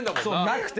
なくて。